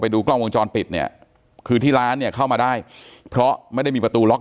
ดูกล้องวงจรปิดเนี่ยคือที่ร้านเนี่ยเข้ามาได้เพราะไม่ได้มีประตูล็อก